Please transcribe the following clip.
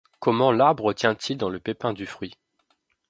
Comment l’arbre tient-il dans le pépin du fruit ?